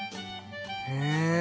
へえ。